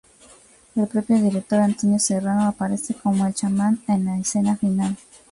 El propio director, Antonio Serrano, aparece como el chamán, en la escena final.